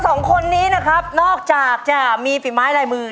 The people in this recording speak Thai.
สองคนนี้นะครับนอกจากจะมีฝีไม้ลายมือ